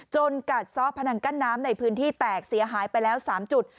กัดซ้อพนังกั้นน้ำในพื้นที่แตกเสียหายไปแล้ว๓จุด